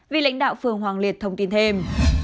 vị lãnh đạo phường hoàng liệt thông tin thêm